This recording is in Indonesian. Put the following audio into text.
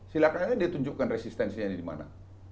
silahkan aja dia tunjukkan resistensinya di mana